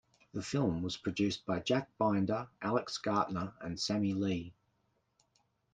The film was produced by Jack Binder, Alex Gartner and Sammy Lee.